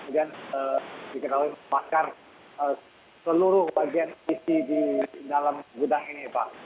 dan diketahui kebakaran seluruh bagian isi di dalam gudang ini eva